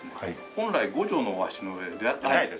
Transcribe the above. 本来五条の大橋の上で出会ってないですから。